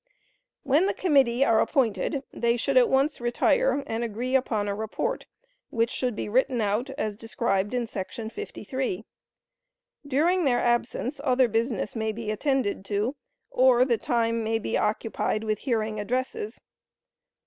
When the committee are appointed they should at once retire and agree upon a report, which should be written out as described in § 53. During their absence other business may be attended to, or the time may be occupied with hearing addresses.